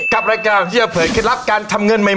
กับรายการที่จะเผยเคล็ดลับการทำเงินใหม่